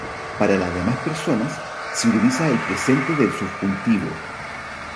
Para las demás personas se utiliza el presente del subjuntivo.